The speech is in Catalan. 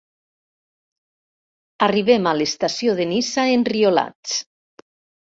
Arribem a l'estació de Niça enriolats.